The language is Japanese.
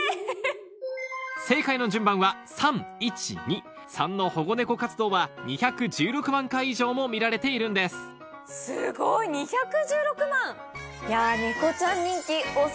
正解の順番は３１２３の保護猫活動は２１６万回以上も見られているんですやぁ。